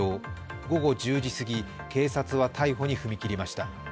午後１０時すぎ、警察は逮捕に踏み切りました。